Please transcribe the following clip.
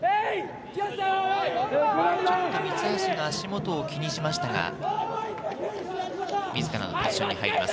三橋が足元を気にしましたが、自らのポジションに入ります。